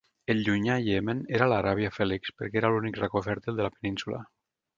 El llunyà Iemen era l'Aràbia Fèlix, perquè era l'únic racó fèrtil de la península.